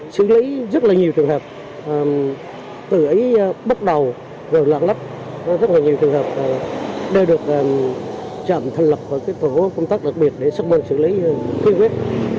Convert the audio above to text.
xử lý rất là nhiều trường hợp từ ấy bắt đầu rồi lạc lách rất là nhiều trường hợp đã được trạm thành lập vào cái phố công tác đặc biệt để xác minh xử lý khí huyết